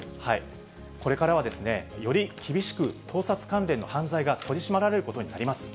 これからはより厳しく盗撮関連の犯罪が取り締まられることになります。